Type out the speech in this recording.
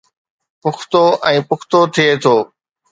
پختو ۽ پختو ٿئي ٿو